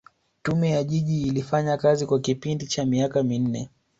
Tume ya Jiji ilifanya kazi kwa kipindi cha miaka minne